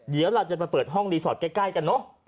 เดี๋ยวเราจะไปเปิดห้องรีสอร์ทใกล้กันเนอะ